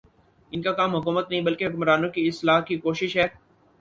ان کا کام حکومت نہیں، بلکہ حکمرانوں کی اصلاح کی کوشش ہے